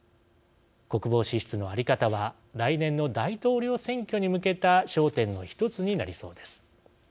国防支出の在り方は来年の大統領選挙に向けた焦点の１つになりそうです。